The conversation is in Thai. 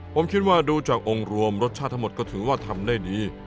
ผมคิดว่าดูจากองค์รวมรสชาติทั้งหมดก็ถือว่าทำได้ดี